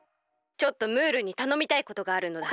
ちょっとムールにたのみたいことがあるのだ。